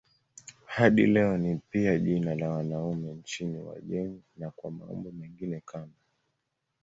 Hadi leo ni pia jina la wanaume nchini Uajemi na kwa maumbo mengine kama